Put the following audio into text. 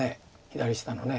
左下の。